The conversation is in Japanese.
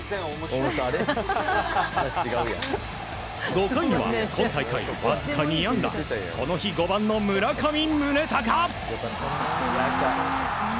５回には、今大会わずか２安打この日５番の村上宗隆。